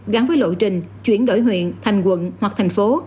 gắn với lộ trình chuyển đổi huyện thành quận hoặc thành phố